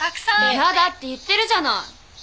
嫌だって言ってるじゃない！